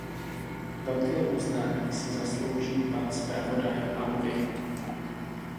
Velké uznání si zaslouží pan zpravodaj Audy.